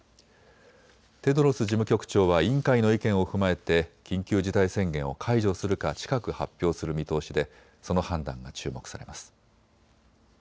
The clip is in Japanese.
テドロス事務局長は委員会の意見を踏まえて緊急事態宣言を解除するか近く発表する見通しでその判断が注目されます。